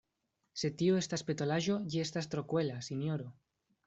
Se tio estas petolaĵo, ĝi estas tro kruela, sinjoro.